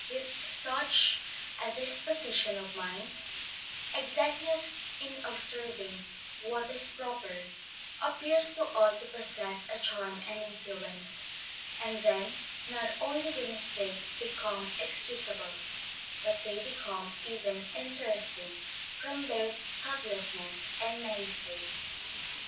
With such a disposition of mind, exactness in observing what is proper, appears to all to possess a charm and influence; and then not only do mistakes become excusable, but they become even interesting from their thoughtlessness and naïveté.